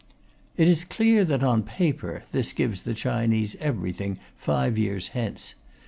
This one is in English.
It is clear that, on paper, this gives the Chinese everything five years hence.